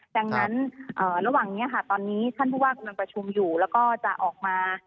ดังนั้นระหว่างนี้ค่ะตอนนี้ท่านผู้ว่ากำลังประชุมอยู่แล้วก็จะออกมา